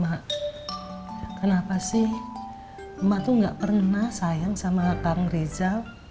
mak kenapa sih emak tuh gak pernah sayang sama kang reza